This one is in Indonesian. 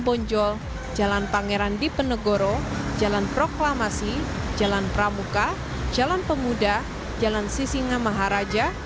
bonjol jalan pangeran dipenegoro jalan proklamasi jalan pramuka jalan pemuda jalan sisinga maharaja